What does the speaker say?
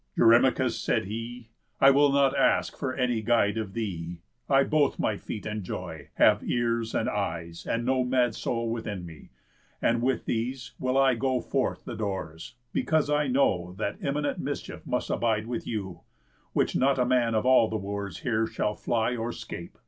"Eurymachus," said he, "I will not ask for any guide of thee, I both my feet enjoy, have ears and eyes, And no mad soul within me; and with these Will I go forth the doors, because I know That imminent mischief must abide with you, Which not a man of all the Wooers here Shall fly or 'scape.